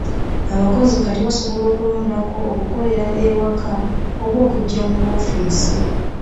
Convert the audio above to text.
Abakozi kati basobola okulondako okukolera ewaka oba okujja ku woofiisi.